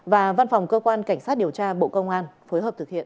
và văn phòng cơ quan cảnh sát điều tra bộ công an phối hợp thực hiện